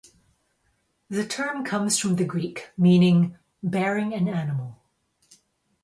The term comes from the Greek, meaning "bearing an animal".